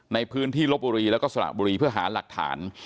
ในพื้นที่ลบบุรีแล้วก็สระบุรีเพื่อหาหลักฐาน